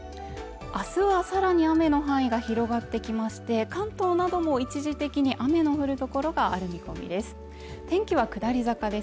明日は更に雨の範囲が広がってきまして関東なども一時的に雨の降る所がある見込みです